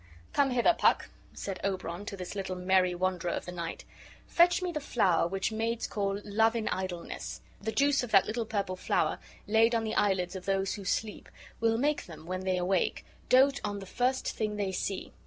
"Come hither, Puck," said Oberon to this little merry wanderer of the night; "fetch me the flower which maids call 'Love in, Idleness'; the juice of that little purple flower laid on the eyelids of those who sleep will make them, when they awake, dote on the first thing they see.